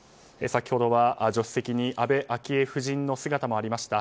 先ほどは助手席に安倍昭恵夫人の姿もありました。